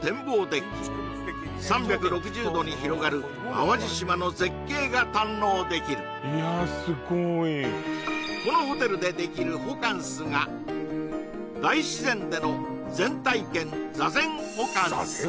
デッキ３６０度に広がる淡路島の絶景が堪能できるこのホテルでできるホカンスが大自然での禅体験座禅ホカンス？